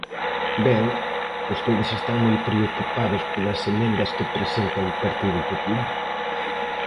Ben, vostedes están moi preocupados polas emendas que presenta o Partido Popular.